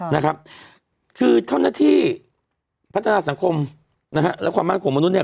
นะครับคือเจ้าหน้าที่พัฒนาสังคมนะฮะและความมั่นของมนุษย์เนี่ย